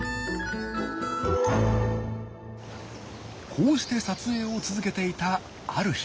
こうして撮影を続けていたある日。